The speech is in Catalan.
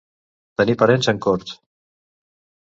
Tenir parents en Corts.